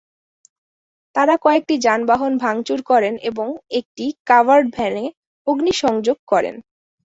তাঁরা কয়েকটি যানবাহন ভাঙচুর করেন এবং একটি কাভার্ড ভ্যানে অগ্নিসংযোগ করেন।